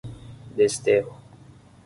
Desterro